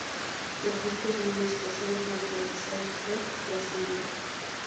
El gesto es muy expresivo frente al de su mujer, ya sin vida.